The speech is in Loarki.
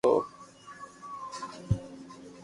اسڪول جائين ڪوم تي آوتو